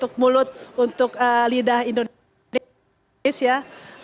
untuk mulut untuk lidah indonesia